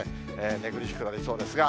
寝苦しくなりそうですが、